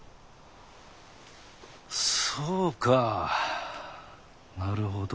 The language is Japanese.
そうかなるほど。